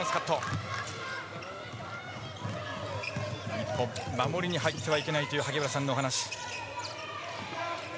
日本、守りに入ってはいけないという萩原さんのお話。